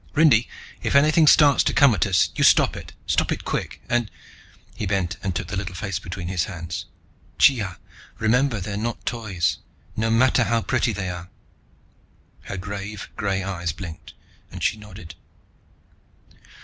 Rindy, if anything starts to come at us, you stop it. Stop it quick. And" he bent and took the little face between his hands "chiya, remember they're not toys, no matter how pretty they are." Her grave gray eyes blinked, and she nodded.